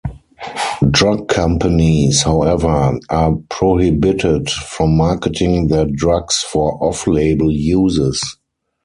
Drug companies, however, are prohibited from marketing their drugs for off-label uses.